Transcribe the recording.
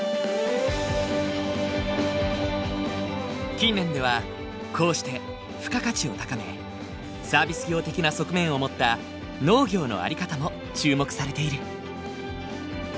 近年ではこうして付加価値を高めサービス業的な側面を持った農業の在り方も注目されている。